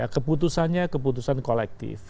keputusannya keputusan kolektif